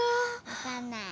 分かんない。